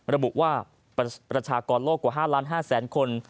ระบุว่าประชากรโลกกว่า๕๕๐๐๐คน